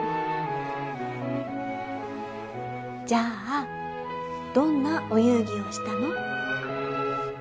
じゃあどんなお遊戯をしたの？